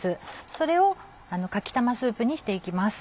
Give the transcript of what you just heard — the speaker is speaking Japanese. それをかき玉スープにしていきます。